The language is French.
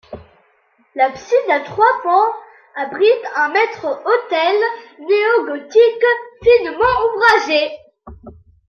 L'abside, à trois pans, abrite un maître-autel néo-gothique finement ouvragé.